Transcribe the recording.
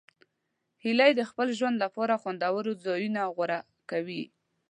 هیلۍ د خپل ژوند لپاره خوندور ځایونه غوره کوي